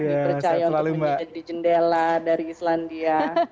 dipercaya untuk menjadi jendela dari islandia